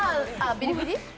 ビリビリ？